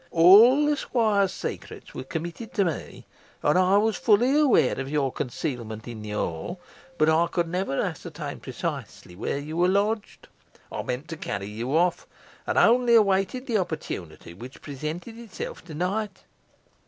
All the squire's secrets were committed to me, and I was fully aware of your concealment in the hall, but I could never ascertain precisely where you were lodged. I meant to carry you off, and only awaited the opportunity which has presented itself to night."